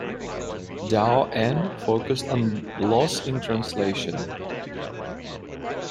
Dao An focused on loss in translation.